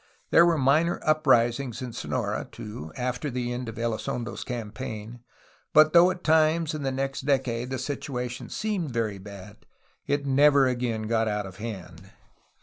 There were minor uprisings in Sonora, too, after the end of Elizondo's campaign, but though at times in the next decade the situation seemed very bad, it never again got out of hand.